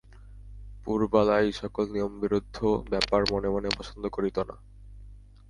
পুরবালা এই-সকল নিয়মবিরুদ্ধ ব্যাপার মনে মনে পছন্দ করিত না।